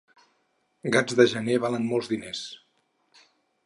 Gats de gener valen molts diners.